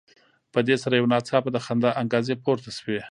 په دې سره یو ناڅاپه د خندا انګازې پورته شوې.